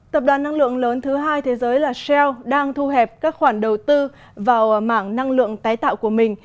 tập đoàn năng lượng lớn thứ hai thế giới là chelles đang thu hẹp các khoản đầu tư vào mảng năng lượng tái tạo của mình